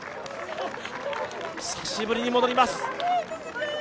久しぶりに戻ります。